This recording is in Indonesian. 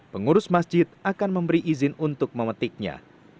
pengurus masjid akan memberi izin untuk memetiknya